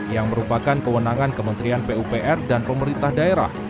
yang merupakan kewenangan kementerian pupr dan pemerintah daerah